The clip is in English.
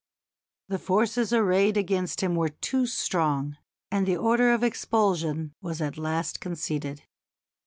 The forces arrayed against him were too strong, and the order of expulsion was at last conceded.